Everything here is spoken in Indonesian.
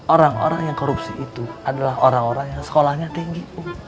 orang orang yang korupsi itu adalah orang orang yang sekolahnya tinggi